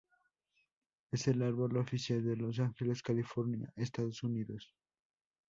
Es el árbol oficial de Los Ángeles, California Estados Unidos.